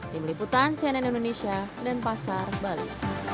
di meliputan cnn indonesia denpasar bali